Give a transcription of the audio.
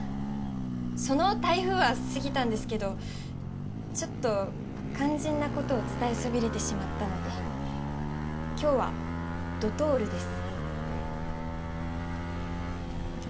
その台風は過ぎたんですけどちょっと肝心なことを伝えそびれてしまったので今日はドトールです。